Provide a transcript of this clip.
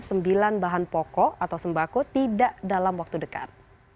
sembilan bahan pokok atau sembako tidak dalam waktu dekat